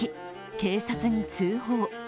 警察に通報。